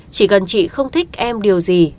chỉ cần chị không thích em điều gì